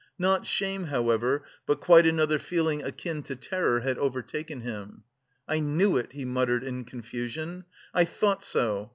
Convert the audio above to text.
Not shame, however, but quite another feeling akin to terror had overtaken him. "I knew it," he muttered in confusion, "I thought so!